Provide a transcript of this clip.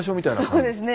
そうですね。